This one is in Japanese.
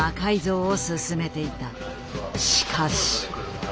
しかし。